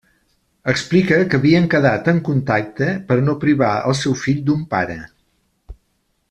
Explica que havien quedat en contacte per a no privar el seu fill d'un pare.